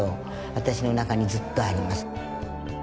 私の中にずっとあります。